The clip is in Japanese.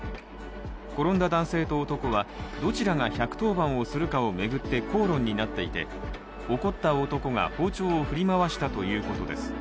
転んだ男性と男はどちらが１１０番通報をするかで口論になっいて、怒った男が包丁を振り回したということです。